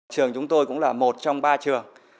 trường chúng tôi cũng là một trong ba trường